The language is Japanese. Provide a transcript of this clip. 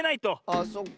あっそっか。